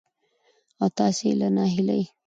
او تاسې له ناهيلۍ